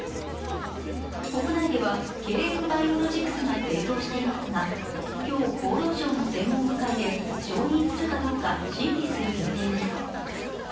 国内ではＫＭバイオロジクスが製造していますが今日、厚労省の専門部会で承認するかどうか審議する予定です。